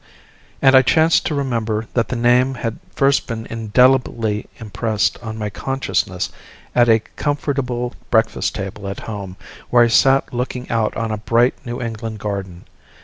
And I chanced to remember that the name had first been indelibly impressed on my consciousness at a comfortable breakfast table at home, where I sat looking out on a bright New England garden.